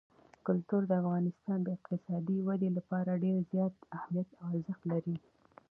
کلتور د افغانستان د اقتصادي ودې لپاره ډېر زیات اهمیت او ارزښت لري.